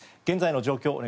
現在の状況